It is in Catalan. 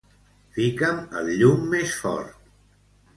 Fica'm el llum més fort.